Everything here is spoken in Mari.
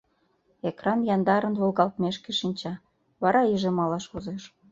Экран яндарын волгалтмешке шинча, вара иже малаш возеш.